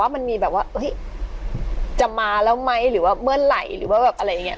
มันมีแบบว่าจะมาแล้วไหมหรือว่าเมื่อไหร่หรือว่าแบบอะไรอย่างนี้